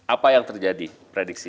apa yang terjadi prediksi